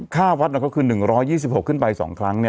ค่าวัดก็คือ๑๒๖ขึ้นไป๒ครั้ง